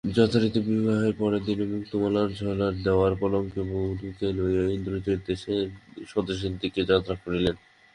যথারীতি বিবাহের পরদিনেই মুক্তামালার-ঝালর-দেওয়া পালঙ্কে বধূকে লইয়া ইন্দ্রজিৎ স্বদেশের দিকে যাত্রা করিলেন।